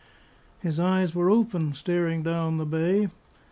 His eyes were open, staring down the bay.